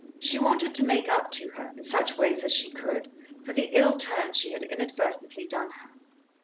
She wanted to make up to her, in such ways as she could, for the ill turn she had inadvertently done her.